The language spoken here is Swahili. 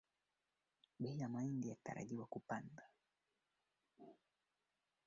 Kila sentensi lazima ijitegemee kimaana na kisarufi.